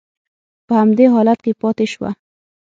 په همدې حالت کې پاتې شوه.